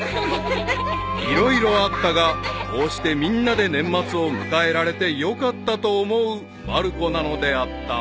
［色々あったがこうしてみんなで年末を迎えられてよかったと思うまる子なのであった］